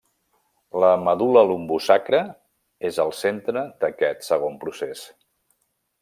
La medul·la lumbosacra és el centre d'aquest segon procés.